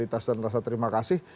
tentang loyalitas dan rasa terima kasih